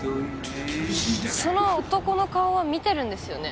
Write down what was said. その男の顔は見てるんですよね？